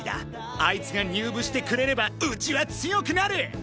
あいつが入部してくれればうちは強くなる！